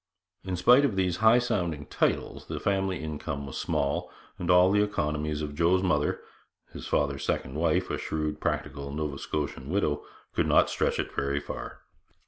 But in spite of these high sounding titles, the family income was small, and all the economies of Joe's mother his father's second wife, a shrewd practical Nova Scotian widow could not stretch it very far.